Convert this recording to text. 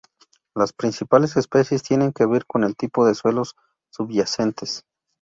Las principales especies tienen que ver con el tipo de suelos subyacentes.